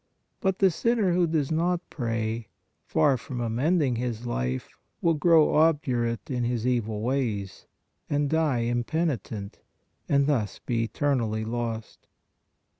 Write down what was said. But the sinner who does not pray, far PRAYER OF PETITION 19 from amending his life, will grow obdurate in his evil ways, and die impenitent, and thus be eternally lost.